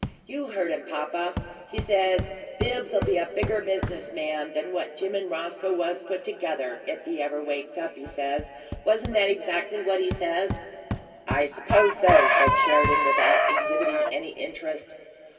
You heard him, papa; he says, 'Bibbs'll be a bigger business man than what Jim and Roscoe was put together if he ever wakes up,' he says. Wasn't that exactly what he says?" "I suppose so," said Sheridan, without exhibiting any interest.